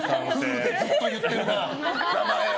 フルでずっと言ってるな名前を。